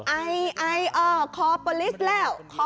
ไออ่ะคอโปรลิสแล้ว